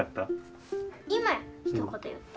今ひと言言った。